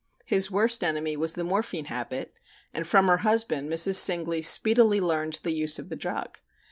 His worst enemy was the morphine habit and from her husband Mrs. Singley speedily learned the use of the drug.